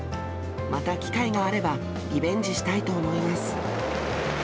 また機会があれば、リベンジしたいと思います。